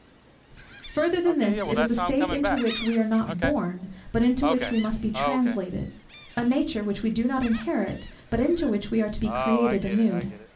Farther than this, it is a state into which we are not born, but into which we must be translated; a nature which we do not inherit, but into which we are to be created anew.